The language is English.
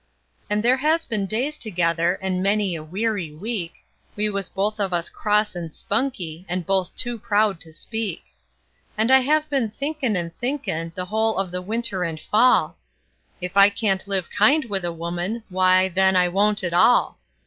And there has been days together and many a weary week We was both of us cross and spunky, and both too proud to speak; And I have been thinkin' and thinkin', the whole of the winter and fall, If I can't live kind with a woman, why, then, I won't at all.